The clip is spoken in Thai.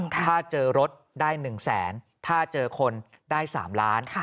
ถ้าเจอรถได้หนึ่งแสนถ้าเจอคนได้สามล้าน